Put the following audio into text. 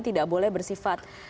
tidak boleh bersifat